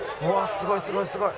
すごいすごいすごい。